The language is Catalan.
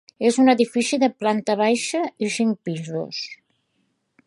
És un edifici de planta baixa i cinc pisos.